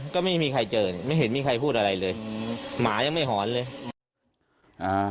ก็ไม่มีใครเจอไม่เห็นมีใครพูดอะไรเลยหมายังไม่หอนเลยอ่า